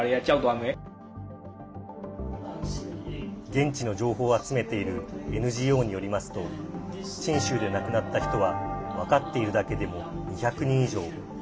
現地の情報を集めているＮＧＯによりますとチン州で亡くなった人は分かっているだけでも２００人以上。